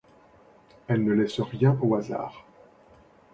Elle ne laisse rien au hasard.